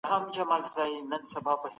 پانګه وال نظام شخصي ملکیت ته وده ورکوي.